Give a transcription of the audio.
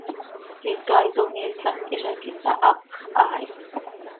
Icaaitom iislajc hizac ihsahapx haa hi.